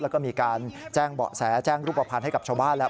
แล้วก็มีการแจ้งเบาะแสแจ้งรูปภัณฑ์ให้กับชาวบ้านแล้ว